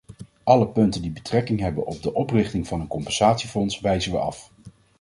Alle punten die betrekking hebben op de oprichting van een compensatiefonds wijzen we af.